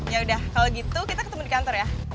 yaudah kalau gitu kita ketemu di kantor ya